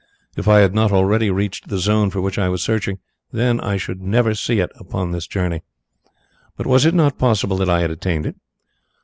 If I had not already reached the zone for which I was searching then I should never see it upon this journey. But was it not possible that I had attained it?